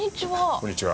こんにちは。